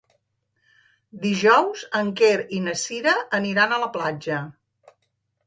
Dijous en Quer i na Cira aniran a la platja.